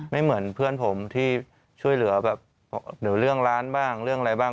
เหมือนเพื่อนผมที่ช่วยเหลือแบบหรือเรื่องร้านบ้างเรื่องอะไรบ้าง